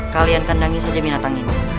kalian kandangi saja binatang ini